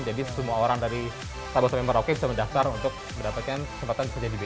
jadi semua orang dari sabah sama merauke bisa mendaftar untuk mendapatkan kesempatan kerja di bi